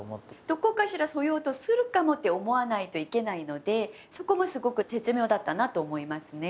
どこかしらそういう音するかもって思わないといけないのでそこもすごく絶妙だったなと思いますね。